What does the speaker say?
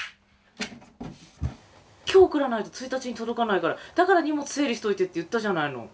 今日送らないと１日に届かないからだから荷物整理しといてって言ったじゃないの。